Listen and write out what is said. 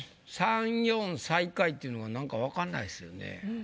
３４最下位っていうのがなんかわかんないっすよね。